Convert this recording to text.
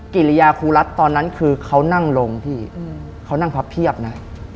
กิริยาครูรัฐตอนนั้นคือเขานั่งลงพี่เขานั่งพับเพียบนะ